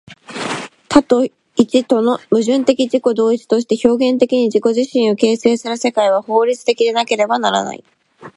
多と一との矛盾的自己同一として表現的に自己自身を形成する世界は、法律的でなければならない。